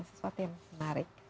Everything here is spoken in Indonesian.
sesuatu yang menarik